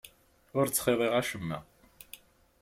Ur ttxiḍiɣ acemma.